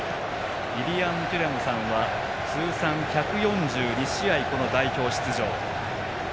リリアン・テュラムさんは通算１４２試合、代表出場。